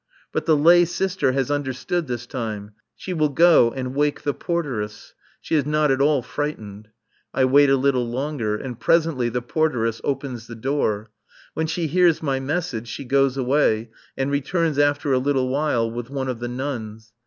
But the lay sister has understood this time. She will go and wake the porteress. She is not at all frightened. I wait a little longer, and presently the porteress opens the door. When she hears my message she goes away, and returns after a little while with one of the nuns.